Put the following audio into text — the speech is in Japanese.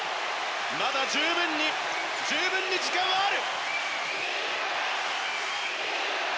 まだ十分に時間はある。